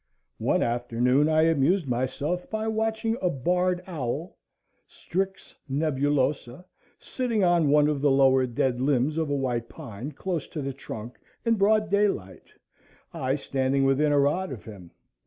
One afternoon I amused myself by watching a barred owl (Strix nebulosa) sitting on one of the lower dead limbs of a white pine, close to the trunk, in broad daylight, I standing within a rod of him.